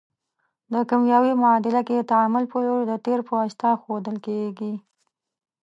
په کیمیاوي معادله کې د تعامل لوری د تیر په واسطه ښودل کیږي.